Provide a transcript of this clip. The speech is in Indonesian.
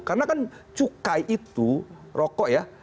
karena kan cukai itu rokok ya